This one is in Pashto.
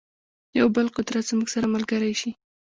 یو بل قدرت زموږ سره ملګری شي.